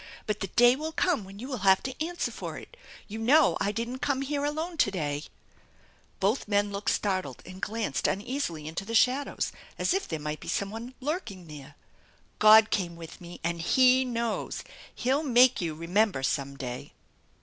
But the day will come when you will have to answer for it! You know I didn't come here alone to day !" Both men looked startled and glanced uneasily into the shadows, as if there might be someone lurking there. " God came with me and He knows ! He'll make you remember some day